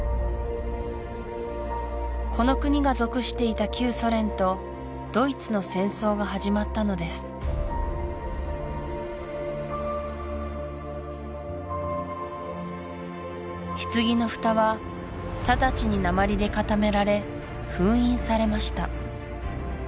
この国が属していた旧ソ連とドイツの戦争が始まったのです棺の蓋はただちに鉛で固められ封印されました